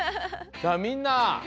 さあみんな！